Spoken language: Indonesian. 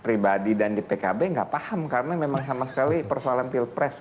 pribadi dan di pkb nggak paham karena memang sama sekali persoalan pilpres